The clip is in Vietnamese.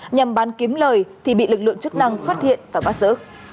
nhằm bán kiếm lời thì bị lực lượng chức năng phát hiện và bắt giữ